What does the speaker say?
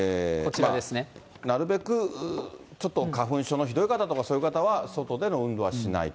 なるべくちょっと、花粉症のひどい方とか、そういう方は外での運動はしないと。